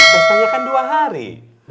tanyakan dua hari